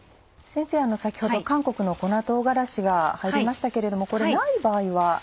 先生先ほど韓国の粉唐辛子が入りましたけれどもこれない場合は？